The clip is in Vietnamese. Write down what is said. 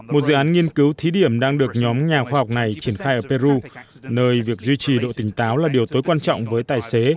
một dự án nghiên cứu thí điểm đang được nhóm nhà khoa học này triển khai ở peru nơi việc duy trì độ tỉnh táo là điều tối quan trọng với tài xế